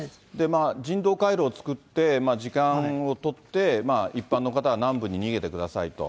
人道回廊を作って時間をとって、一般の方は南部に逃げてくださいと。